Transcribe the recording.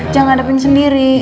jangan ngadepin sendiri